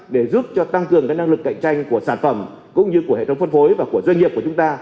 để giúp cho tăng cường năng lực cạnh tranh của sản phẩm cũng như của hệ thống phân phối và của doanh nghiệp của chúng ta